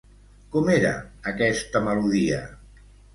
Com era aquesta melodia?